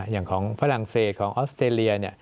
อย่างของฝรั่งเศสของออสเตรเลีย